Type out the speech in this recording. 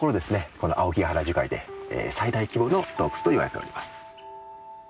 この青木ヶ原樹海で最大規模の洞窟といわれております。